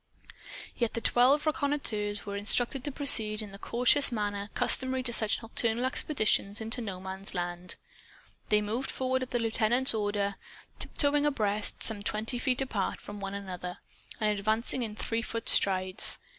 Yet the twelve reconnoiterers were instructed to proceed in the cautious manner customary to such nocturnal expeditions into No Man's Land. They moved forward at the lieutenant's order, tiptoeing abreast, some twenty feet apart from one another, and advancing in three foot strides.